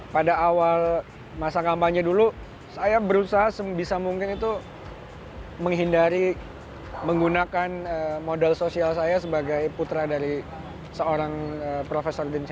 pada awal masa kampanye dulu saya berusaha sebisa mungkin itu menghindari menggunakan modal sosial saya sebagai putra dari seorang profesor denny